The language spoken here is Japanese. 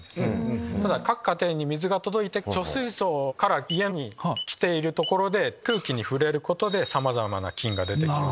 ただ各家庭に水が届いて貯水槽から家にきているところで空気に触れることでさまざまな菌が出てくる。